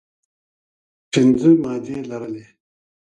پنځه مادې لرلې.